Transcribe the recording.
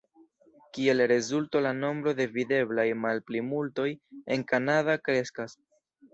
Kiel rezulto la nombro de videblaj malplimultoj en Kanada kreskas.